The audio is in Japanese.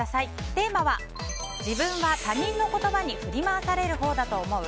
テーマは自分は他人の言葉に振り回されるほうだと思う？